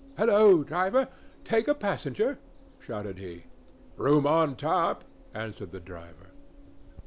"Halloo, driver! Take a passenger?" shouted he. "Room on top!" answered the driver.